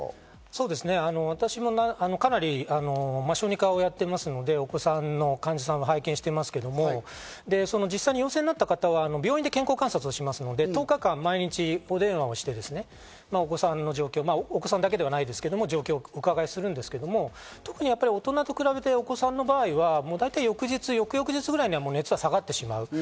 そうですね、私もかなり小児科をやっていますので、お子さんの患者さんを拝見していますけど、実際に陽性になった方は病院で健康観察をしますので１０日間毎日お電話して、お子さんの状況、お子さんだけではないですけど、状況をお伺いするんですけど、特に大人と比べてお子さんの場合は大体翌日、翌々日には熱は下がってしまう。